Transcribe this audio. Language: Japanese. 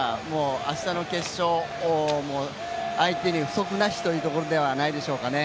明日の決勝、相手に不足なしというところではないでしょうかね。